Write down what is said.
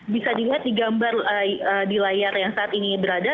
bisa dilihat di gambar di layar yang saat ini berada